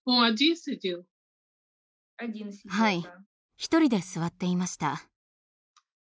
一人で座っていました。